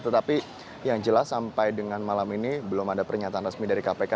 tetapi yang jelas sampai dengan malam ini belum ada pernyataan resmi dari kpk